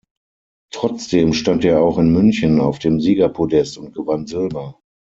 Trotzdem stand er auch in München auf dem Siegerpodest und gewann Silber.